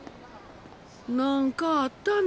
なんかあったね？